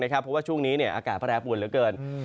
เพราะว่าช่วงนี้อากาศแปรปวนเหลือเกิน